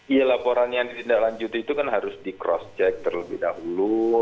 iya laporan yang ditindaklanjuti itu kan harus di cross check terlebih dahulu